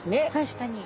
確かに。